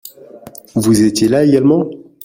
Vous étiez là également ?